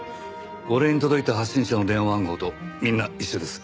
俺に届いた発信者の電話番号とみんな一緒です。